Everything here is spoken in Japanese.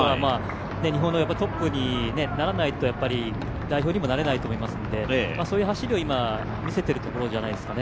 日本のトップにならないと、代表にもなれないと思いますのでそういう走りを今、見せているところじゃないですかね。